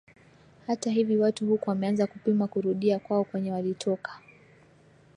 hata hivi watu huku wameanza kupima kurudia kwao kwenye walitoka